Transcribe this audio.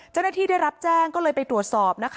เจ้าหน้าที่ได้รับแจ้งก็เลยไปตรวจสอบนะคะ